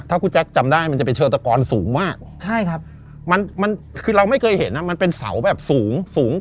ถ้าครูแจ๊คจำได้มันจะมีเชิงตะกอนสูงมากเราไม่เคยเห็นมันเป็นเสาแบบสูง